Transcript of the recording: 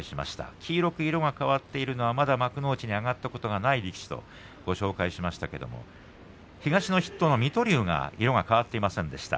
黄色く色が変わっているのはまだ幕内に上がったことがない力士とご紹介しましたが東の筆頭、水戸龍が色が変わっていませんでした。